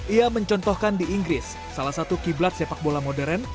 ia mencontohkan di inggris salah satu kiblat sepak bola modern